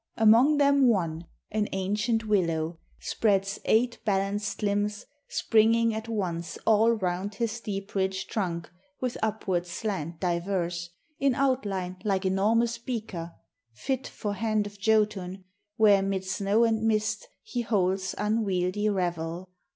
Among them one, an ancient willow, spreads Eight balanced limbs, springing at o;ice all round His deep ridged trunk with upward slant diverse, In outline like enormous beaker, fit For hand of Jotun, where 'mid snow and mist He holds unwieldy revel.